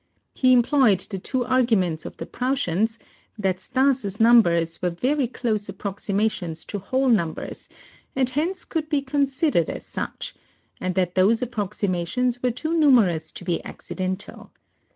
He employed the two arguments of the Proutians, that Stas' numbers were very close approximations to whole numbers and hence could be considered as such, and that those approximations were too numerous to be accidental.